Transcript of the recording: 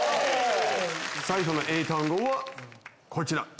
最初の英単語はこちら。